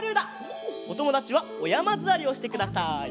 おともだちはおやまずわりをしてください。